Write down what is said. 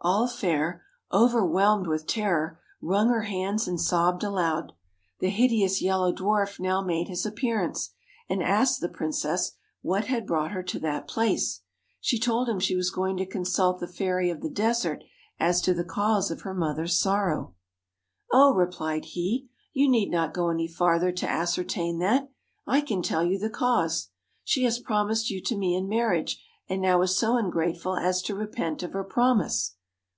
All fair, overwhelmed with terror, wrung her hands and sobbed aloud. The hideous Yellow Dwarf now made his appearance, and asked the princess what had brought her to that place. She told him she was going to consult the Fairy of the Desert as to the cause of her mother's sorrow. 101 THE 'Oh,' replied he, 'you need not go any farther to YELLOW ascertain that. I can tell you the cause. She has DWARF promised you to me in marriage, and now is so ungrateful as to repent of her promise.'